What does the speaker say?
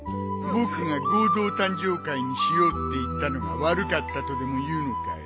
僕が合同誕生会にしようって言ったのが悪かったとでも言うのかい？